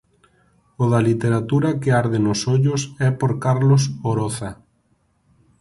O da literatura que arde nos ollos é por Carlos Oroza.